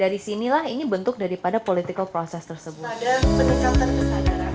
dan dari sini lah ini bentuk daripada proses politik tersebut